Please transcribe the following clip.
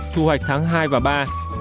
thu hoạch tháng hai và ba